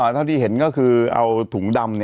เท่าที่เห็นก็คือเอาถุงดำ